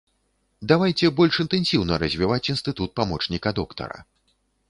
Давайце больш інтэнсіўна развіваць інстытут памочніка доктара.